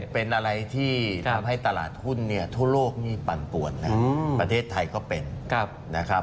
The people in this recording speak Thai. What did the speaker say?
เป็นอะไรที่ทำให้ตลาดทุนทั่วโลกปันปวดนะครับประเทศไทยก็เป็นนะครับ